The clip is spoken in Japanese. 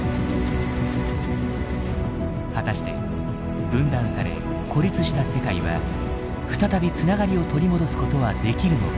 果たして分断され孤立した世界は再び繋がりを取り戻すことはできるのか。